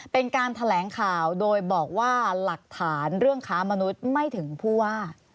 เป็นการแถลงข่าวโดยบอกว่าหลักฐานเรื่องค้ามนุษย์ไม่ถึงผู้ว่า